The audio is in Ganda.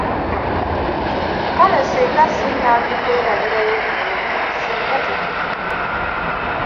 Kale ssinga si Nambi kwerabirayo bulo bwe ssinga kati tetufa!